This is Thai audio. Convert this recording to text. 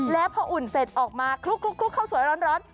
แล้วพออุ่นเสร็จออกมาคลุกข้าวสวยร้อน